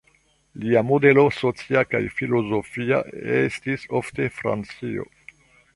Lia modelo socia kaj filozofia estis ofte Francio.